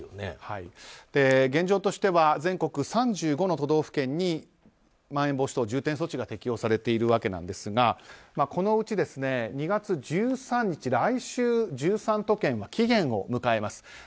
現状としては全国３５の都道府県にまん延防止等重点措置が適用されているわけなんですがこのうち２月１３日、来週１３都県は期限を迎えます。